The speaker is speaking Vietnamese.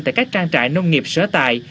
tại các trang trại nông nghiệp sở tài